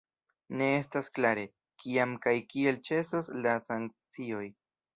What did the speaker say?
Ne estas klare, kiam kaj kiel ĉesos la sankcioj.